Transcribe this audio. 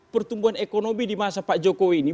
pertumbuhan ekonomi di masa pak jokowi ini